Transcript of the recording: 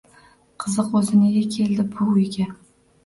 Qiziq, o`zi nega keldi bu uyga